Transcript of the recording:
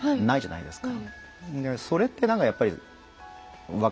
ないですか？